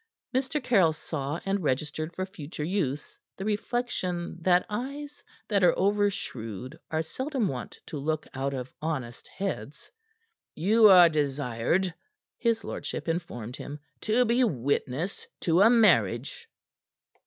Mr. Caryll saw, and registered, for future use, the reflection that eyes that are overshrewd are seldom wont to look out of honest heads. "You are desired," his lordship informed him, "to be witness to a marriage."